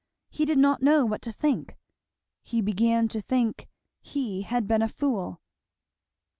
He did not know what to think. He began to think he had been a fool.